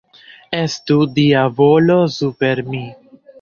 Estu Dia volo super mi!